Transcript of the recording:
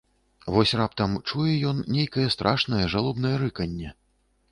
Вось раптам чуе ён нейкае страшнае жалобнае рыканне...